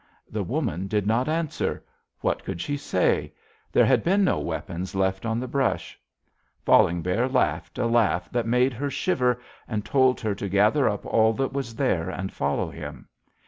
"The woman did not answer. What could she say? There had been no weapons left on the brush. Falling Bear laughed a laugh that made her shiver, and told her to gather up all that was there and follow him.